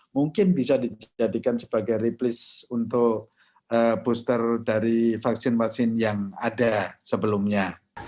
mungkin bisa dijadikan sebagai replease untuk booster dari vaksin vaksin yang ada sebelumnya